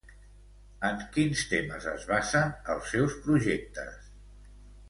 En quins temes es basen els seus projectes?